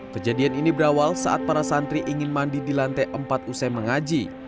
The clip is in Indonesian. kejadian ini berawal saat para santri ingin mandi di lantai empat usai mengaji